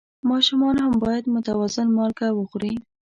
ماشومان هم باید متوازن مالګه وخوري.